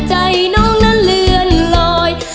ใจน้องนั้นเลื่อนลอย